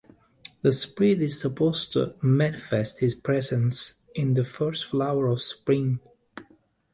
The spirit is supposed to manifest his presence in the first flower of spring.